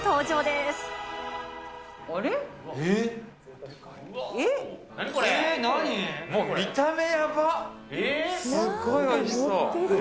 すごいおいしそう。